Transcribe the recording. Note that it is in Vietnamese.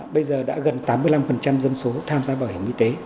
bây giờ đã gần tám mươi năm dân số tham gia bảo hiểm y tế